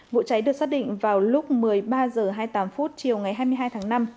vụ cháy được xác định vào lúc một mươi ba h hai mươi tám chiều ngày hai mươi hai tháng năm